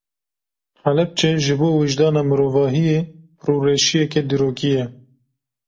Helepçe ji bo wijdana mirovahiyê rûreşiyeke dîrokî ye.